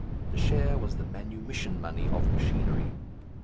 The share was the manumission money of machinery.